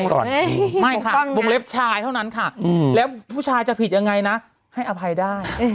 เกร็ดวัดโน้นชะนี้อ่ะ